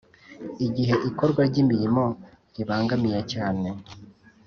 Igihe ikorwa ry'imirimo ribangamiye cyane